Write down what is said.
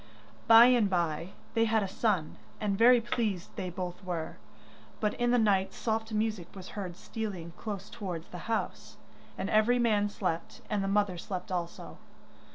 By and bye they had a son, and very pleased they both were. But in the night soft music was heard stealing close towards the house, and every man slept, and the mother slept also.